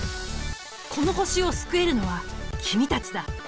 この星を救えるのは君たちだ。